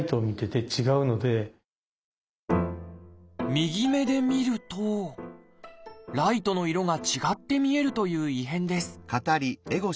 右目で見るとライトの色が違って見えるという異変です。